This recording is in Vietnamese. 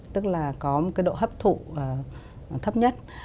tức là có một độ hấp thụ thấp nhất